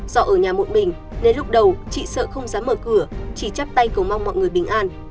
do ở nhà một mình nên lúc đầu chị sợ không dám mở cửa chị chắp tay cầu mong mọi người bình an